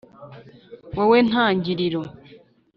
Wowe ntangiriro